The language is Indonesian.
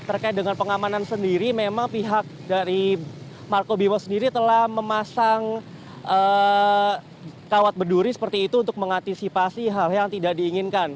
terkait dengan pengamanan sendiri memang pihak dari marko bimo sendiri telah memasang kawat berduri seperti itu untuk mengantisipasi hal yang tidak diinginkan